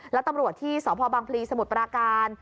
และตำรวจที่สภพบางภีร์สมุทรประการ